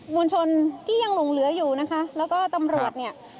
มวลชนที่ยังหลงเหลืออยู่นะคะแล้วก็ตำรวจเนี่ย